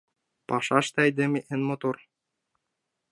Пашаште айдеме эн мотор.